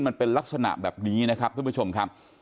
มันเป็นลักษณะแบบนี้นะครับทุกผู้ชมครับ